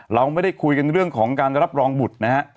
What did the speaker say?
เราไม่ได้คุยกันเรื่องของการรับรองบุตรนะฮะ